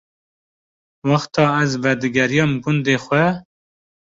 Wexta ez vedigeriyam gundê xwe